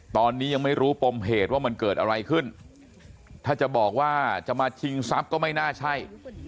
ตอนนี้ยังไม่รู้ปมเหตุว่ามันเกิดอะไรขึ้นถ้าจะบอกว่าจะมาชิงทรัพย์ก็ไม่น่าใช่